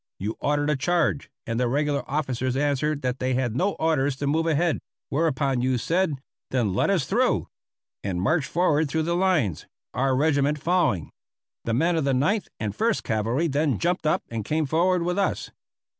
You ordered a charge, and the regular officers answered that they had no orders to move ahead; whereupon you said: "Then let us through," and marched forward through the lines, our regiment following. The men of the Ninth and First Cavalry then jumped up and came forward with us.